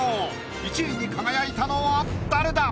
１位に輝いたのは誰だ⁉